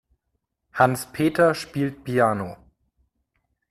Hans-Peter spielt Piano.